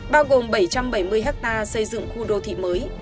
bao gồm bảy trăm bảy mươi ha xây dựng khu đô thị mới